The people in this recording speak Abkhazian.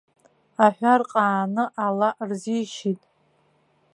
Аҳәа рҟааны ала рзишьит.